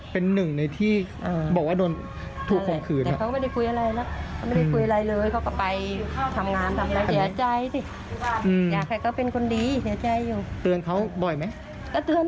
เป็นหนึ่งในที่บอกว่าโดนถูกคงขืน